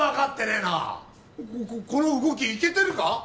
この動きイケてるか？